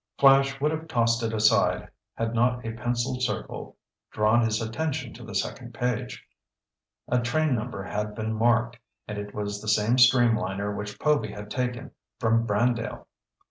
Flash would have tossed it aside had not a penciled circle drawn his attention to the second page. A train number had been marked, and it was the same streamliner which Povy had taken from Brandale.